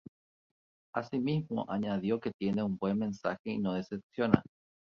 Asimismo, añadió que tiene un buen mensaje y no decepciona.